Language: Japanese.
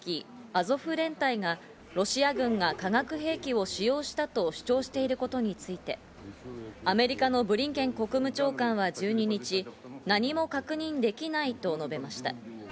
アゾフ連隊がロシア軍が化学兵器を使用したと主張していることについてアメリカのブリンケン国務長官は１２日、何も確認できないと述べました。